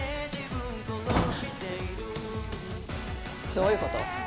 どういうこと？